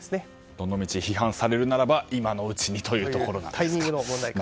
どのみち批判されるならば今のうちにということですか。